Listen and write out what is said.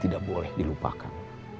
tidak boleh dilupakan